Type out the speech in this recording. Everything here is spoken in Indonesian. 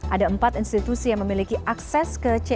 ada empat institusi yang memiliki akses ke c